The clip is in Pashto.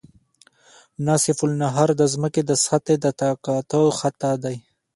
نصف النهار د ځمکې د سطحې د تقاطع خط دی